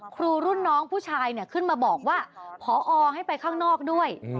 ครูรุ่นน้องผู้ชายขึ้นมาบอกว่าพอให้ไปข้างนอกด้วย